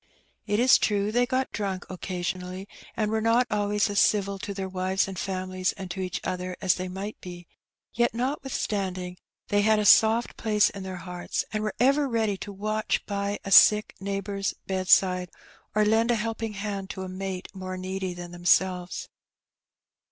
It is true they got drunk occasionally, and were not always as civil to their wives and families and to each other as they might be; yet, notwithstanding, they had a soft place in their hearts, and were ever ready to watch by a sick neighbour's bed side, or lend a helping hand to a mate more needy than themselves.